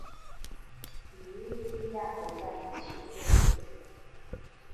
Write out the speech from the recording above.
尼日利亚国家足球队